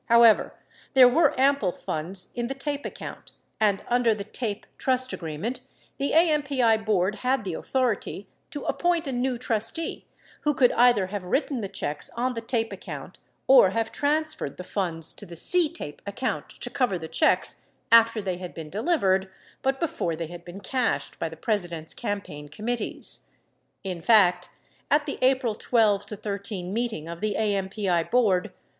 However, there were ample funds in the TAPE account and, under the TAPE trust agreement, the AMPI Board had the authority to appoint a new trustee who could either have written the checks on the TAPE account or have trans ferred the funds to the CTAPE account to cover the checks after they had been delivered but before they had been cashed by the President's campaign committees. In fact, at the April 12 13 meeting of the AMPI board.